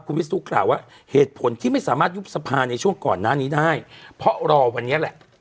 วิศนุกล่าวว่าเหตุผลที่ไม่สามารถยุบสภาในช่วงก่อนหน้านี้ได้เพราะรอวันนี้แหละ